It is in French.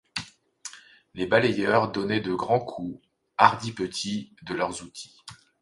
Les balayeurs donnaient de grands coups, hardi petit, de leur outil.